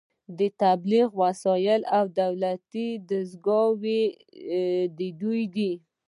د تبلیغ وسایل او دولتي دستګاوې د دوی دي